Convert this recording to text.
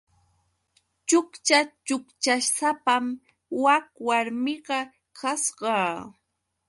Chukcha chukchasapam wak warmiqa kasqa.